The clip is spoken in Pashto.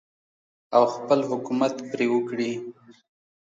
او خپل حکومت پرې وکړي.